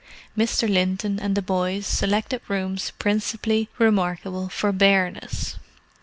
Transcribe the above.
Mr. Linton and the boys selected rooms principally remarkable for bareness.